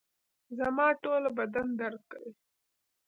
زما ټوله بدن درد کوي